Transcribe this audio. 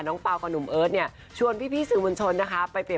น้องปาวกับหนุ่มเอิ้นเนี่ยชวนพี่สื่อมุญชนนะคะ